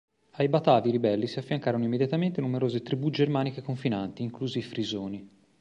Ai Batavi ribelli si affiancarono immediatamente numerose tribù germaniche confinanti, inclusi i Frisoni.